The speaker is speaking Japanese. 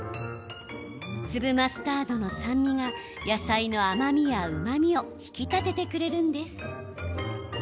粒マスタードの酸味が野菜の甘みやうまみを引き立ててくれるんです。